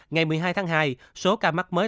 ngày một mươi hai tháng hai số ca mắc mới